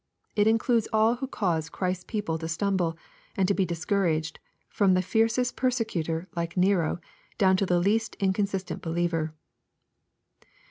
It includes all who cause Christ's people to stumble and be dis couraged, from the fiercest persecutor, like Nero, down to tho least inconsistent believer.